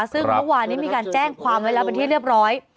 ซึ่งเมื่อวานนี้มีการแจ้งความไว้แล้วเป็นที่เรียบร้อย